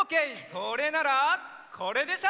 それならこれでしょ！